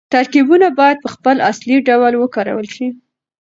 ترکيبونه بايد په خپل اصلي ډول وکارول شي.